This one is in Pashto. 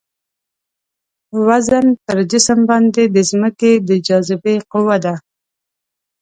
وزن پر جسم باندې د ځمکې د جاذبې قوه ده.